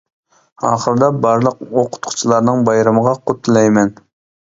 ئاخىرىدا بارلىق ئوقۇتقۇچىلارنىڭ بايرىمىغا قۇت تىلەيمەن.